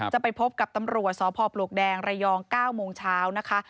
จะไปพบกับตำรวจสพปลวกแดงระยอง๙โมงเช้านะคะ